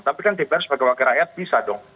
tapi kan dpr sebagai wakil rakyat bisa dong